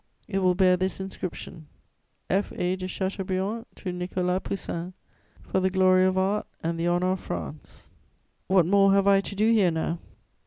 It will bear this inscription: F. A. DE CH. TO NICOLAS POUSSIN, FOR THE GLORY OF ART AND THE HONOUR OF FRANCE. "What more have I to do here now?